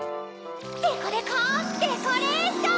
デコデコデコレーション！